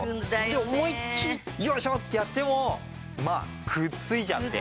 で思いっきりよいしょ！ってやってもまあくっついちゃって。